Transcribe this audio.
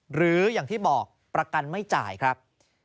หรืออย่างที่บอกประกันไม่จ่ายครับ